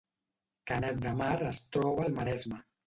Canet de Mar es troba al Maresme